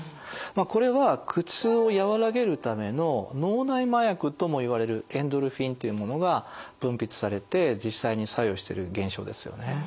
これは苦痛を和らげるための脳内麻薬ともいわれるエンドルフィンというものが分泌されて実際に作用してる現象ですよね。